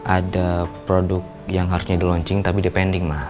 ada produk yang harusnya di launching tapi depending ma